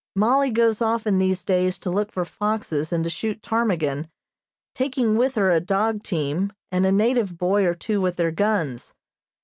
Mollie goes often these days to look for foxes and to shoot ptarmigan, taking with her a dog team, and a native boy or two with their guns.